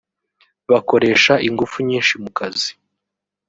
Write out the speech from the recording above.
bakoresha ingufu nyinshi mu kazi